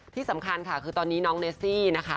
ที่สำคัญค่ะคือตอนนี้น้องเนสซี่นะคะ